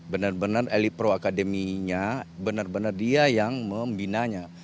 benar benar elit pro academy nya benar benar dia yang membinanya